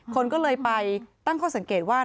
คนก็เลยไปตั้งข้อสังเกตว่า